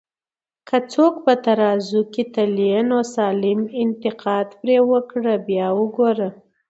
که څوک په ترازو کي تلې، نو سالم انتقاد پرې وکړه بیا وګوره